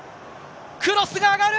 クロスが上がる。